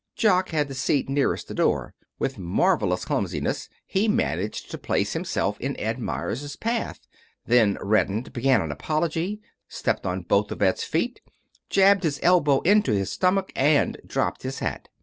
Jock had the seat nearest the door. With marvelous clumsiness he managed to place himself in Ed Meyers' path, then reddened, began an apology, stepped on both of Ed's feet, jabbed his elbow into his stomach, and dropped his hat.